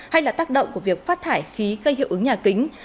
hay là tác động của việc phát thải khí gây hiệu ứng nhà kính